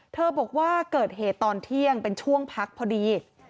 บอกว่าเกิดเหตุตอนเที่ยงเป็นช่วงพักพอดี